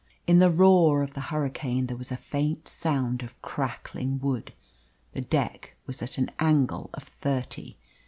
In the roar of the hurricane there was a faint sound of crackling wood. The deck was at an angle of thirty.